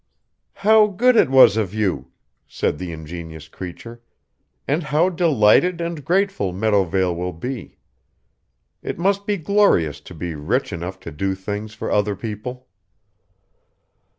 "How good it was of you," said the ingenuous creature, "and how delighted and grateful Meadowvale will be. It must be glorious to be rich enough to do things for other people."